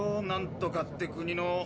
なんとかって国の。